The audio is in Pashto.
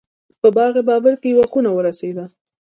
په باغ بابر کې یوه خونه ورسېده.